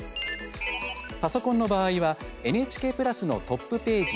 パソコンの場合はＮＨＫプラスのトップページ